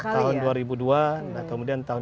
tahun dua ribu dua kemudian tahun dua ribu tiga belas